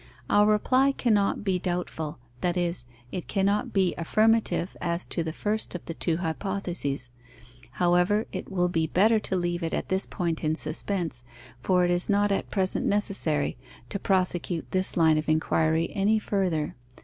Our reply cannot be doubtful, that is, it cannot be affirmative as to the first of the two hypotheses. However, it will be better to leave it at this point in suspense, for it is not at present necessary to prosecute this line of inquiry any further.